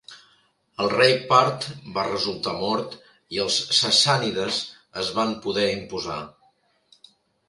El rei part va resultar mort i els sassànides es van poder imposar.